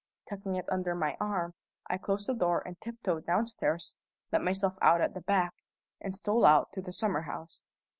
Tucking it under my arm, I closed the door and tiptoed downstairs, let myself out at the back, and stole out to the summer house.